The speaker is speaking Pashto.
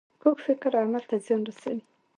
کوږ فکر عمل ته زیان رسوي